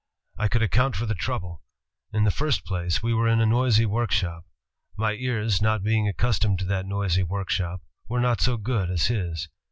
... I could account for the trouble. In the first place, we were in a noisy workshop. My ears, not being accustomed to that noisy workshop, were not so good as his.